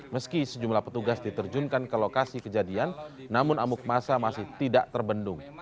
meski sejumlah petugas diterjunkan ke lokasi kejadian namun amuk masa masih tidak terbendung